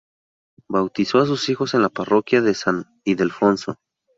Bautizó a sus hijos en la Parroquia de San Ildefonso.